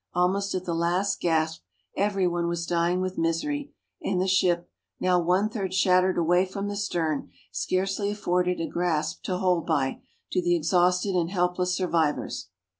Almost at the last gasp, every one was dying with misery, and the ship, now one third shattered away from the stern, scarcely afforded a grasp to hold by, to the exhausted and helpless survivors.